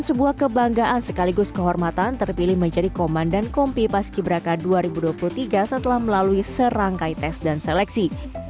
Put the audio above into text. sebuah kebanggaan sekaligus kehormatan terpilih menjadi komandan kompi paski braka dua ribu dua puluh tiga setelah melalui serangkai tes dan seleksi